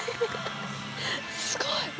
すごい！